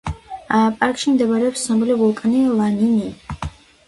პარკში მდებარეობს ცნობილი ვულკანი ლანინი.